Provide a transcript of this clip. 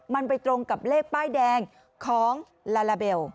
มันไปตรงกับเลขป้ายแดงของลาลาเบล